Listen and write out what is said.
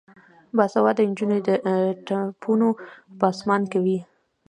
باسواده نجونې د ټپونو پانسمان کوي.